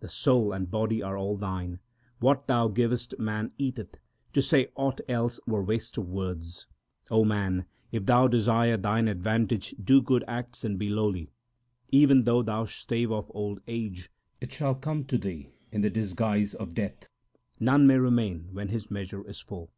The soul and body are all Thine : what Thou givest man eateth : to say aught else were waste of words. man, if thou desire thine advantage, do good acts and be lowly. Even though thou stave off old age, it shall come to thee in the disguise of death. None may remain when his measure is full.